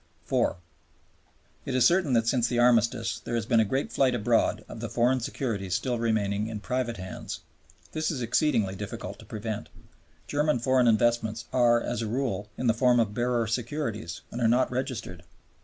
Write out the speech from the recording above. (iv.) It is certain that since the Armistice there has been a great flight abroad of the foreign securities still remaining in private hands. This is exceedingly difficult to prevent. German foreign investments are as a rule in the form of bearer securities and are not registered.